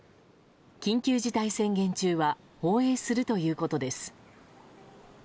緊急事態宣言中は放映するということです。